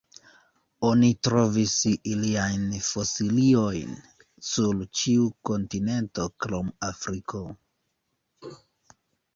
Oni trovis iliajn fosiliojn sur ĉiu kontinento krom Afriko.